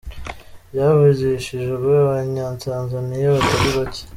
Byavugishije abanyatanzania batari bake